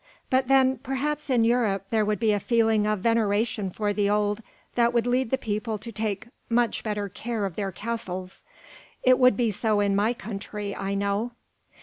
But then, perhaps in Europe there would be a feeling of veneration for the old that would lead the people to take much better care of their castles. It would be so in my country, I know."